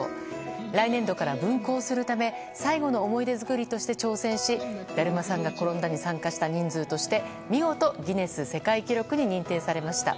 来年度から分校するため最後の思い出作りとして挑戦しだるまさんが転んだに参加した人数として見事、ギネス世界記録に認定されました。